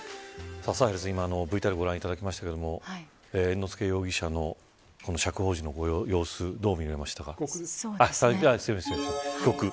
今ＶＴＲをご覧いただきましたが猿之助容疑者の釈放時の様子どう見えましたか。